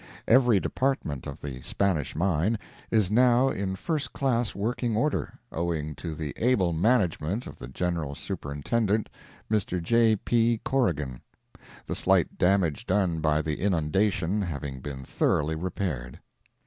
Every department of the Spanish mine is now in first class working order, owing to the able management of the general Superintendent, Mr. J. P. Corrigan: the slight damage done by the inundation having been thoroughly repaired.